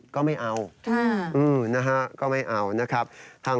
ก็ไม่เอานะฮะก็ไม่เอานะครับ